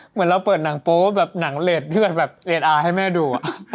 เหมือนเราเปิดหนังโปรแบบหนังเลสเลสอาร์ให้แม่ดูอะ